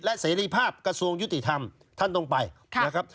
และเสรีภาพกระทรวงยุติธรรมท่านต้องไปนะครับ